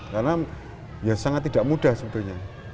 karena ya sangat tidak mudah sebetulnya